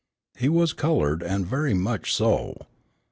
He was colored, and very much so.